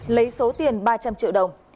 lấy số tiền ba trăm linh triệu đồng